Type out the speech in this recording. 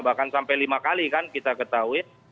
bahkan sampai lima kali kan kita ketahui